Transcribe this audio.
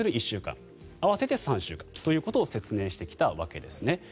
１週間合わせて３週間ということを説明してきたわけですね。